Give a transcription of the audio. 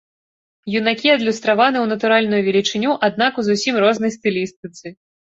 Юнакі адлюстраваны ў натуральную велічыню, аднак у зусім рознай стылістыцы.